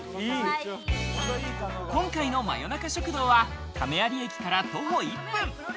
今回の真夜中食堂は、亀有駅から徒歩１分。